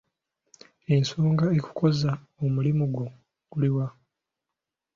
Ensonga ekukoza omulimu go guliwa?